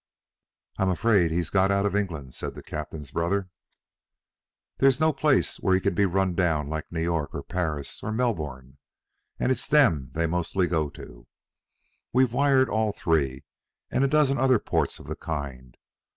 "I'm afraid he's got out of England," said the captain's brother. "There's no place where he can be run down like New York, or Paris, or Melbourne, and it's them they mostly go to. We've wired 'em all three, and a dozen other ports of the kind.